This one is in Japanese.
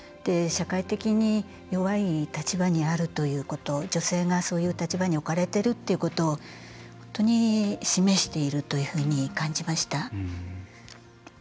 社会的に弱い立場にあるということ女性がそういう立場に置かれてるっていうことを本当に示しているというふうに感じました。